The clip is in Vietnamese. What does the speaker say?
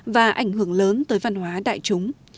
và ảnh hưởng lớn tới văn hóa đại chúng